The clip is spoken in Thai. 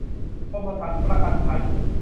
กรมธรรม์ประกันภัย